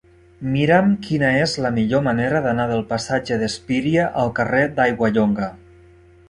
Mira'm quina és la millor manera d'anar del passatge d'Espíria al carrer d'Aiguallonga.